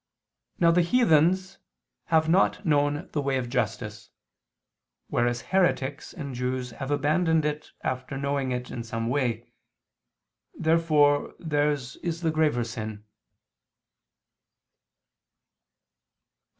Now the heathens have not known the way of justice, whereas heretics and Jews have abandoned it after knowing it in some way. Therefore theirs is the graver sin.